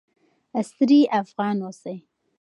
عصري افغان اوسئ.